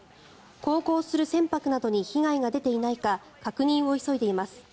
航行する船舶などに被害が出ていないか確認を急いでいます。